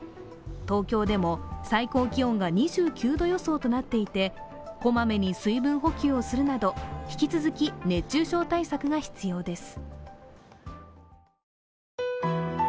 東京でも最高気温が２９度予想となっていてこまめに水分補給をするなど引き続き熱中症対策が必要です。